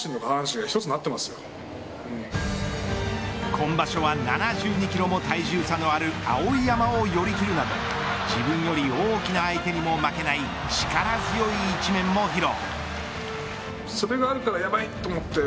今場所は７２キロも体重差のある碧山を寄り切るなど自分より大きな相手にも負けない力強い一面も披露。